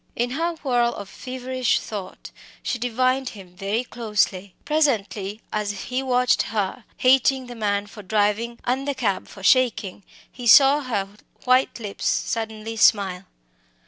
In her whirl of feverish thought, she divined him very closely. Presently, as he watched her hating the man for driving and the cab for shaking he saw her white lips suddenly smile.